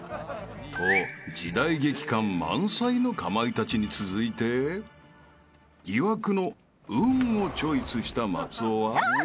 ［と時代劇感満載のかまいたちに続いて疑惑の「運」をチョイスした松尾は］